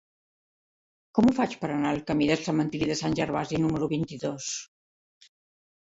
Com ho faig per anar al camí del Cementiri de Sant Gervasi número vint-i-dos?